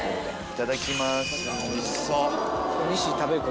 いただきます。